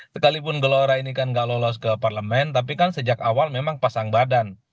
sekalipun gelora ini kan gak lolos ke parlemen tapi kan sejak awal memang pasang badan